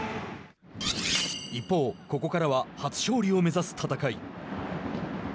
一方、ここからは初勝利を目指す戦い。